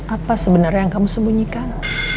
apa sebenarnya yang kamu sembunyikan